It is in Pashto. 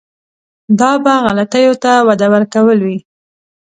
دا به غلطیو ته وده ورکول وي.